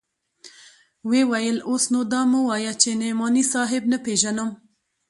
ويې ويل اوس نو دا مه وايه چې نعماني صاحب نه پېژنم.